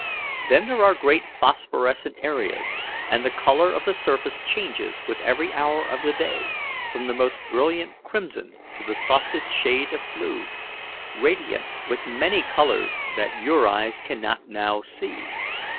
Then there are great phosphorescent areas, and the colour of the surface changes with every hour of the day, from the most brilliant crimson to the softest shade of blue, radiant with many colours that your eyes cannot now see.